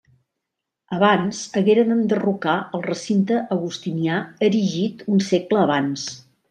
Abans, hagueren d'enderrocar el recinte augustinià erigit un segle abans.